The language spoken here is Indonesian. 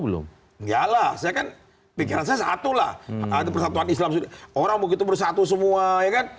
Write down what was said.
belum ya lah saya kan pikiran saya satu lah ada persatuan islam orang begitu bersatu semua ya kan